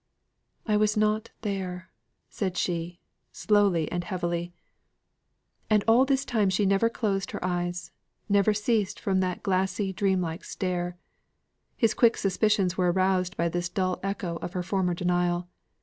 "I was not there," said she, slowly and heavily. And all this time she never closed her eyes, or ceased from that glassy, dream like stare. His quick suspicions were aroused by this dull echo of her former denial.